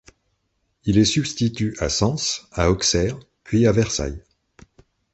Il est substitut à Sens, à Auxerre, puis à Versailles.